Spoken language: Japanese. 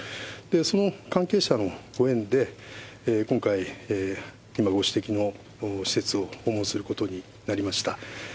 その関係者のご縁で、今回、今ご指摘の施設を訪問することになりました。